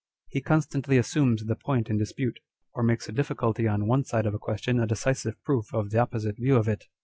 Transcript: He constantly assumes the point in dispute, or makes a difficulty on one side of a question a decisive proof of the opposite view of it.